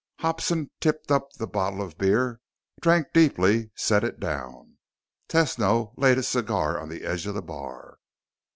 Hobson tipped up the bottle of beer, drank deeply, set it down. Tesno laid his cigar on the edge of the bar.